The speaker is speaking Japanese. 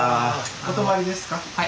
お泊まりですか？